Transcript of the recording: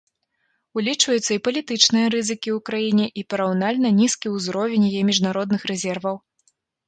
Улічваюцца і палітычныя рызыкі ў краіне і параўнальна нізкі ўзровень яе міжнародных рэзерваў.